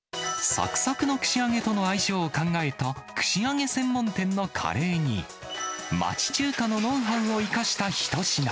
さくさくの串揚げとの相性を考えた串揚げ専門店のカレーに、町中華のノウハウを生かした一品。